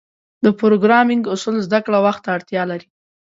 د پروګرامینګ اصول زدهکړه وخت ته اړتیا لري.